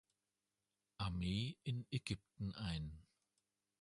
Armee in Ägypten ein.